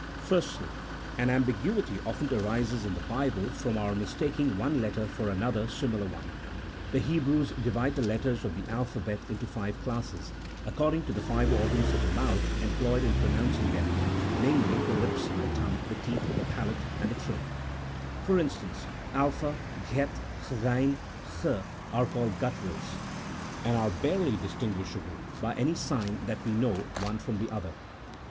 Firstly, an ambiguity often arises in the Bible from our 1 See Note 7. CHAP. VII.] OF THE INTERPRETATION OP SCRIPTURE. 109 mistaking one letter for another similar one. The Hebrews divide the letters of the alphabet into five classes, according to the five organs of the month employed in pronouncing them, namely, the lips, the tongne, the teeth, the palate, and the throat, For instance, Alpha, Ghet, Hgain, lie, are called gutturals, and are barely distinguishable, by any sign that we know, one from the other.